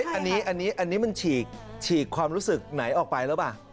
อันนี้มันฉีกความรู้สึกไหนออกไปหรือเปล่า